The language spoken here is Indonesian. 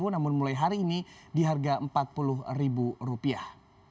namun mulai hari ini di harga empat puluh ribu rupiah